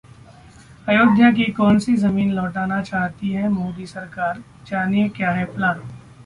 अयोध्या की कौन सी जमीन लौटाना चाहती है मोदी सरकार? जानिए क्या है प्लान